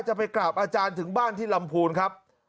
จะไปกราบอาจารย์ถึงบ้านที่ลำพูนครับ